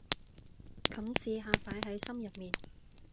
噉試下擺喺心入面